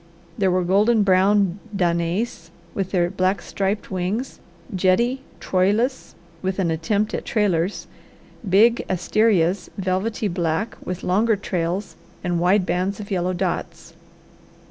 There were golden brown danais, with their black striped wings, jetty troilus with an attempt at trailers, big asterias, velvety black with longer trails and wide bands of yellow dots.